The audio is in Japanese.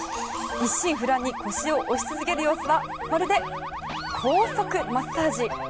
一心不乱に腰を押し続ける様子はまるで高速マッサージ。